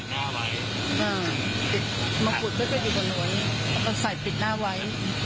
ปิดหน้าไว้ปิดมะขุดได้ไว้ใส่ปิดหน้าไว้